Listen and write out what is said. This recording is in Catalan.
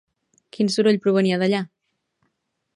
Quin soroll provenia d'allà?